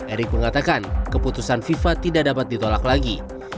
erick mengatakan keputusan fifa tidak dapat ditolak lagi